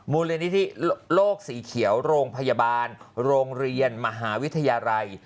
มูลนิธิโลกสีเขียวโรงพยาบาลโรงเรียนมหาวิทยาลัย